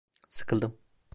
Sıkıldım.